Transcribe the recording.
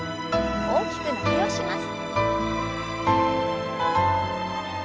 大きく伸びをします。